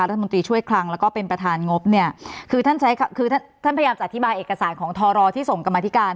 รัฐมนตรีช่วยคลังแล้วก็เป็นประธานงบเนี่ยคือท่านใช้คือท่านท่านพยายามจะอธิบายเอกสารของทรที่ส่งกรรมธิการ